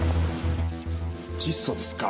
窒素ですか。